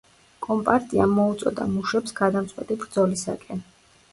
კომპარტიამ მოუწოდა მუშებს გადამწყვეტი ბრძოლისაკენ.